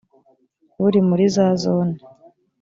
buri muri za zone